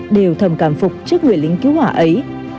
đều thầm cảm phục trước người lính cứu hỏa ấy